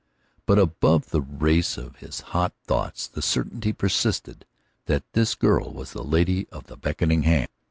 But above the race of his hot thoughts the certainty persisted that this girl was the lady of the beckoning hand.